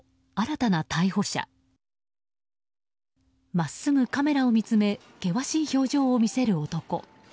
真っすぐカメラを見つめ険しい表情を見せる男。